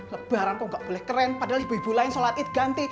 lebaran kok nggak boleh keren padahal ibu ibu lain sholat id ganti